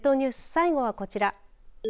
最後はこちら。